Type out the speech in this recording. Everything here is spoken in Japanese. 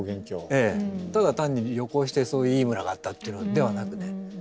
ただ単に旅行してそういういい村があったっていうのではなくね。